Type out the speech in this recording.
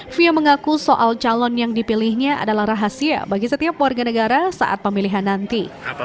fia mengaku soal calon yang dipilihnya adalah rahasia bagi setiap warga negara saat pemilihan nanti